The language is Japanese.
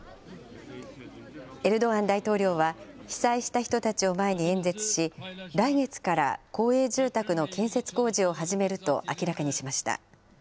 エルドアン大統領は、被災した人たちを前に演説し、来月から公営住宅の建設工事を始めると明らかにしました。